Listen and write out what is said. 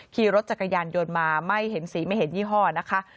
ขี่รถจักรยานยนต์มาไม่เห็นสีไม่เห็นยี่ห้อนะคะ